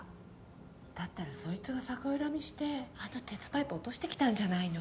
だったらそいつが逆恨みしてあの鉄パイプ落としてきたんじゃないの？